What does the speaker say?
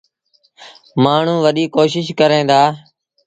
مآڻهوٚݩ وڏيٚ ڪوشيٚش ڪريݩ دآ۔